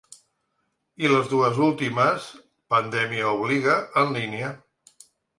I les dues últimes, pandèmia obliga, en línia.